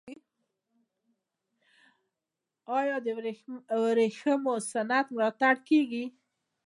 آیا د ورېښمو صنعت ملاتړ کیږي؟